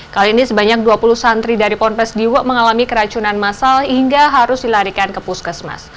kali ini sebanyak dua puluh santri dari ponpes diwak mengalami keracunan masal hingga harus dilarikan ke puskesmas